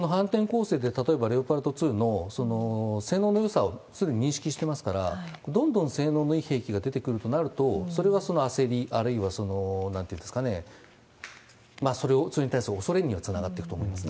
特にこの反転攻勢で例えばレオパルト２の性能のよさをすでにそれを認識してますから、どんどん性能のいい兵器が出てくるとなると、それが焦り、あるいはなんていうんでしょうかね、それに対する恐れにはつながってくると思いますね。